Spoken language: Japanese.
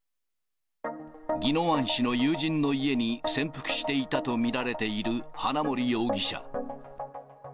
宜野湾市の友人の家に潜伏していたと見られている花森容疑者。